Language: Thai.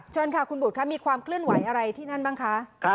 เชิญค่ะคุณบุตรค่ะมีความเคลื่อนไหวอะไรที่นั่นบ้างคะ